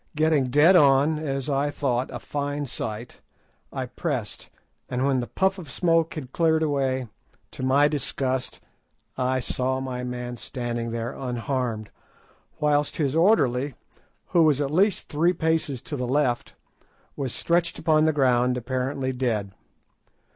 Getting dead on, as I thought, a fine sight, I pressed, and when the puff of smoke had cleared away, to my disgust, I saw my man standing there unharmed, whilst his orderly, who was at least three paces to the left, was stretched upon the ground apparently dead.